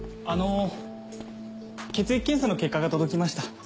あの血液検査の結果が届きました。